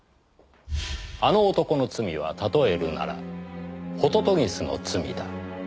「あの男の罪は例えるなら杜鵑の罪だ」